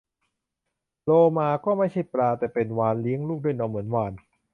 โลมา ก็ไม่ใช่ปลา แต่เป็นสัตว์เลี้ยงลูกด้วยนมเหมือนวาฬ